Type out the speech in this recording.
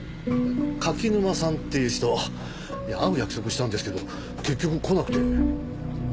柿沼さんっていう人会う約束したんですけど結局来なくて。